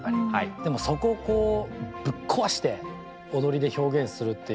でもそこをぶっ壊して踊りで表現するっていう。